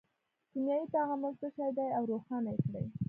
کیمیاوي تعامل څه شی دی او روښانه یې کړئ.